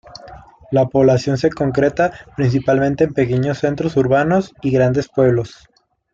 La población se concentra principalmente en pequeños centros urbanos y grandes pueblos.